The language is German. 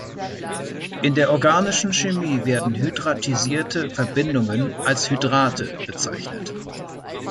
In der organischen Chemie werden hydratisierte Verbindungen als Hydrate bezeichnet.